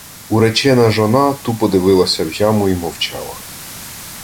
Уречена жона тупо дивилася в яму й мовчала.